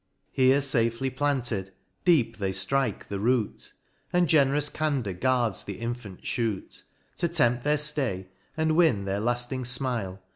—Here 20 MOUNT PLEASANT. — Here fafely planted, deep they ftrike the root, And generous Candour guards the infant fhoot. To tempt their ftay, and win their lafting fmile.